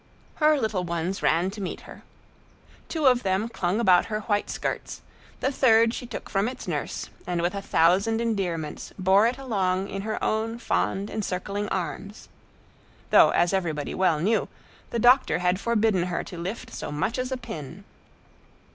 Her little ones ran to meet her. Two of them clung about her white skirts, the third she took from its nurse and with a thousand endearments bore it along in her own fond, encircling arms. Though, as everybody well knew, the doctor had forbidden her to lift so much as a pin!